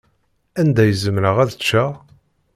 Anda i zemreɣ ad ččeɣ?